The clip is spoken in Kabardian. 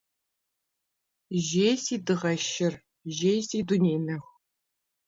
Жей, си дыгъэ шыр, жей, си дуней нэху.